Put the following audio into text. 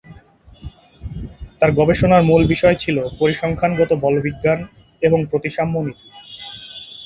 তার গবেষণার মূল বিষয় ছিল পরিসংখ্যানগত বলবিজ্ঞান এবং প্রতিসাম্য নীতি।